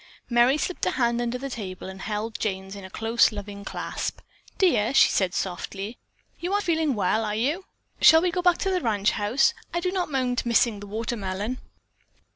Merry slipped a hand under the table and held Jane's in a close, loving clasp. "Dear," she said very softly, "you aren't feeling well, are you? Shall we go back to the ranch house? I do not mind missing the watermelon."